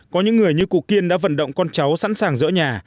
có những người như cụ kiên đã vận động con cháu sẵn sàng dỡ nhà